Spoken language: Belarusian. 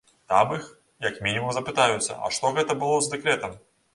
Там іх, як мінімум, запытаюцца, а што гэта было з дэкрэтам?